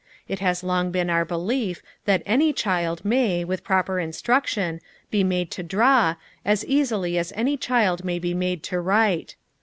It has long been our belief that any child may, with proper instruction, be made to draw, as easily as any child may be made to write.